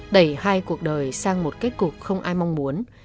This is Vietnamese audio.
đẩy hai cuộc đời sang một kết cục không ai mong muốn